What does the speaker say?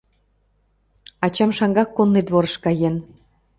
— Ачам шаҥгак конный дворыш каен!